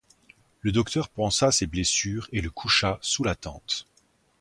Le docteur pansa ses blessures et le coucha sous la tente.